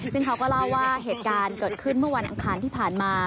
ซึ่งเขาก็เล่าว่าเหตุการณ์เกิดขึ้นเมื่อวันอังคารที่ผ่านมา